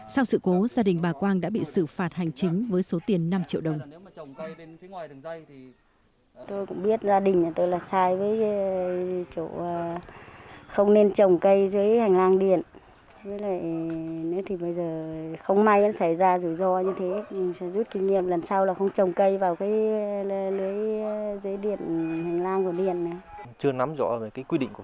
sau sự cố gia đình bà quang đã bị xử phạt hành chính với số tiền năm triệu đồng